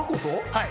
はい。